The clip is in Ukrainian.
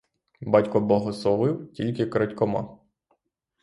Батько благословив, тільки крадькома!